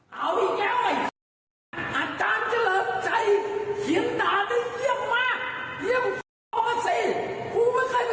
ชีวิตผมขออยู่กับวัดกับวาล